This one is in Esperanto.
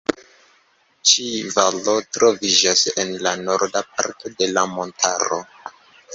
Ĉi valo troviĝas en la norda parto de la montaro.